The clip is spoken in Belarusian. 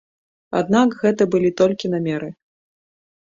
Аднак гэта былі толькі намеры.